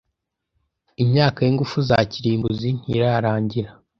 Imyaka yingufu za kirimbuzi ntirarangira.